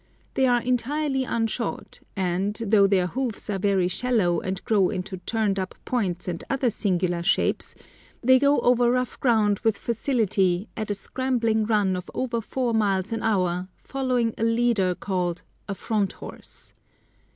They are entirely unshod, and, though their hoofs are very shallow and grow into turned up points and other singular shapes, they go over rough ground with facility at a scrambling run of over four miles an hour following a leader called a "front horse."